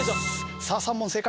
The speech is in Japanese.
さあ３問正解。